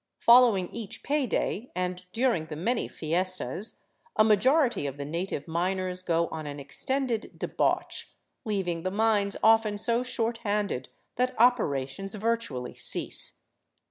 Following each pay day, and during the many fiestas, a majority of the native miners go on an extended de bauch, leaving the mines often so short handed that operations vir tually cease.